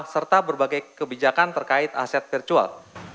serta berbagai kebijakan terkait aset virtual